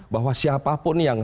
bahwa siapapun yang